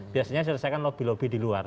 biasanya selesaikan lobby lobby di luar